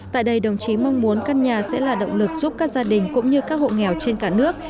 tại đây đồng chí mong muốn căn nhà sẽ là động lực giúp các gia đình cũng như các hộ nghèo trên cả nước